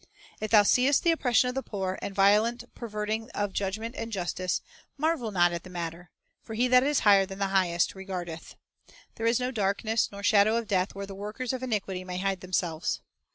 "If thou seest the oppression of the poor, and The Audit violent perverting of judgment and justice, marvel not at the matter; for He that is higher than the highest regardeth." "There is no darkness, nor shadow of death, where the workers of iniquity may hide themselves."